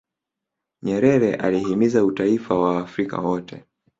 nyerere alihimiza utaifa wa waafrika wote